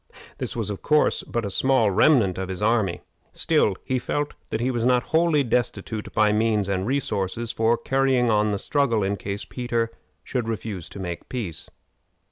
This was, of course, but a small remnant of his army. Still, he felt that he was not wholly destitute of means and resources for carrying on the struggle in case Peter should refuse to make peace.